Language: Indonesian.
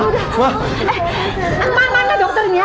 eh mana dokternya